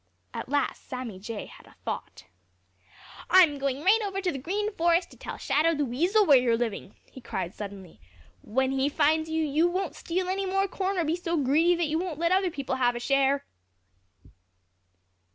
At last Sammy Jay had a thought. "I'm going straight over to the Green Forest to tell Shadow the Weasel where you are living!" he cried suddenly. "When he finds you, you won't steal any more corn or be so greedy that you won't let other people have a share."